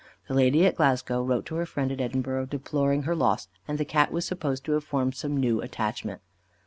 The lady at Glasgow wrote to her friend at Edinburgh, deploring her loss, and the Cat was supposed to have formed some new attachment.